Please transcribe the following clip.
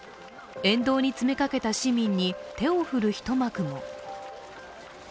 沿道に詰めかけた市民に手を振る一幕も。